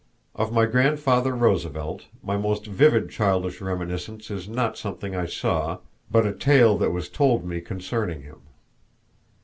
Of my grandfather Roosevelt my most vivid childish reminiscence is not something I saw, but a tale that was told me concerning him.